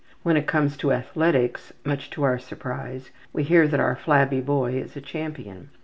When it comes to athletics, much to our surprise, we hear that our flabby boy is a champion.